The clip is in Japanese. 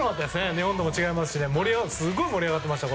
日本とも違いますしすごい盛り上がっていました。